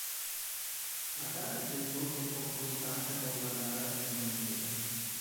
La gara si è svolta in concomitanza con la gara femminile.